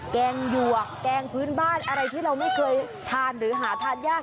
แกงหยวกแกงพื้นบ้านอะไรที่เราไม่เคยทานหรือหาทานยาก